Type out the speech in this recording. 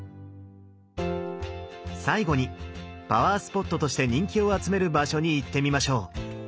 最後にパワースポットとして人気を集める場所に行ってみましょう。